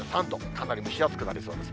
かなり蒸し暑くなりそうです。